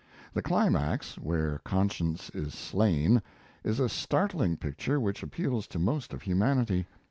The climax, where conscience is slain, is a startling picture which appeals to most of humanity.